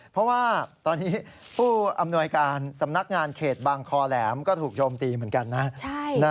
เพราะว่าตอนนี้ผู้อำนวยการสำนักงานเขตบางคอแหลมก็ถูกโจมตีเหมือนกันนะ